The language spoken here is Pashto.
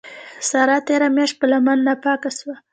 سارا تېره مياشت په لمن ناپاکه سوه.